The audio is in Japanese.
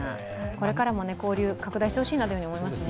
これからも交流、拡大してほしいなと思いますね。